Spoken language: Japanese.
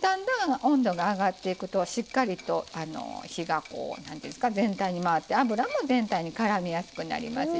だんだん温度が上がっていくとしっかりと火が全体に回って油も全体にからみやすくなりますしね。